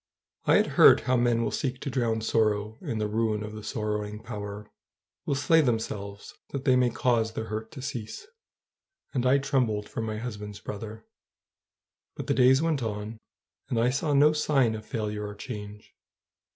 I had heard how men will seek to drown sorrow in the ruin of the sorrowing power, will slay themselves that they may cause their hurt to cease, and I trembled for my husband's brother. But the days went on, and I saw no sign of failure or change.